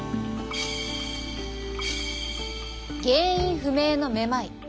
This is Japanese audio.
原因不明のめまい。